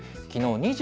きのう